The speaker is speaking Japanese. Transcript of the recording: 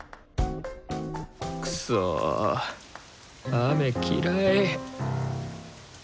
くそ雨嫌い。